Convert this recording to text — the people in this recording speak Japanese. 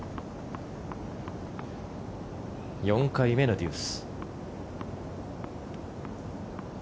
４回目のデュース。